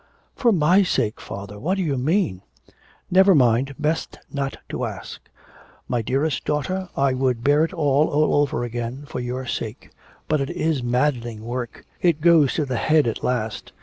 'For my sake, father, what do you mean?' 'Never mind, best not to ask.... My dearest daughter, I would bear it all over again for your sake. But it is maddening work, it goes to the head at last.